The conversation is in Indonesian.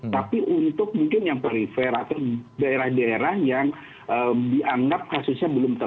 tapi untuk mungkin yang perifer atau daerah daerah yang dianggap kasusnya belum terlalu